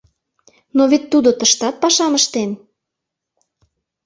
— Но вет тудо тыштат пашам ыштен?